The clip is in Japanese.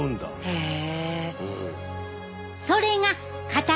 へえ。